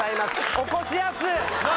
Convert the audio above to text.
おこしやす！